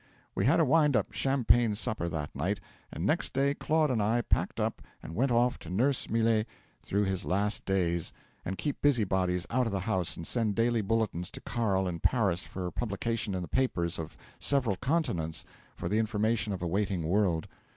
'We had a wind up champagne supper that night, and next day Claude and I packed up and went off to nurse Millet through his last days and keep busybodies out of the house and send daily bulletins to Carl in Paris for publication in the papers of several continents for the information of a waiting world.